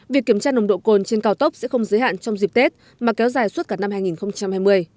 việc kiểm tra nồng độ cồn trên cao tốc sẽ không giới hạn trong dịp tết mà kéo dài suốt cả năm hai nghìn hai mươi